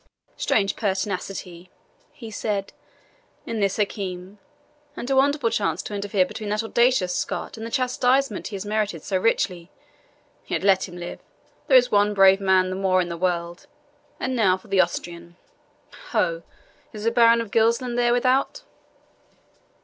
"Strange pertinacity," he said, "in this Hakim, and a wonderful chance to interfere between that audacious Scot and the chastisement he has merited so richly. Yet let him live! there is one brave man the more in the world. And now for the Austrian. Ho! is the Baron of Gilsland there without?"